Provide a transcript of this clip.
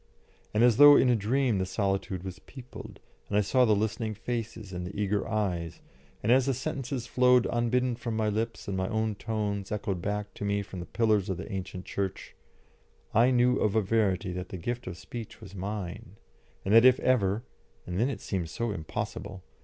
And as though in a dream the solitude was peopled, and I saw the listening faces and the eager eyes, and as the sentences flowed unbidden from my lips and my own tones echoed back to me from the pillars of the ancient church, I knew of a verity that the gift of speech was mine, and that if ever and then it seemed so impossible!